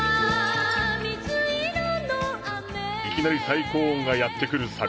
いきなり最高音がやってくるサビ。